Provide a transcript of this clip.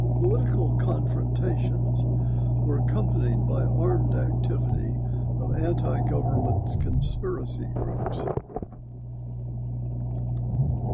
The political confrontations were accompanied by armed activity of anti-government conspiracy groups.